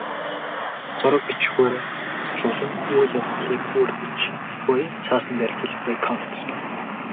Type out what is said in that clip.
Зураг, бичвэр хослуулан үйл явдлыг хүүрнэж буй цаасан дээрх хэлбэрийг комикс гэнэ.